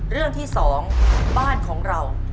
เรื่องที่๒บ้านของเรา